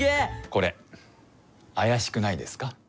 これあやしくないですか？